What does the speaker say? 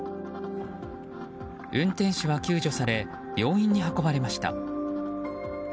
運転手は救助され病院に運ばれました。